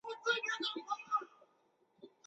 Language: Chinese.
两名艺人和歌曲的制作人共同创作了本歌曲。